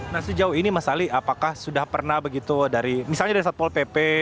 nah sejauh ini mas ali apakah sudah pernah begitu dari misalnya dari satpol pp